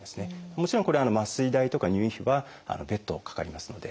もちろんこれ麻酔代とか入院費は別途かかりますので。